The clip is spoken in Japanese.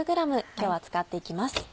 今日は使って行きます。